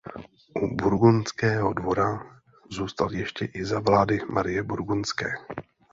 U burgundského dvora zůstal ještě i za vlády Marie Burgundské.